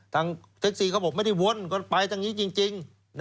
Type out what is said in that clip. เท็กซีเขาบอกไม่ได้วนกันไปทางนี้จริง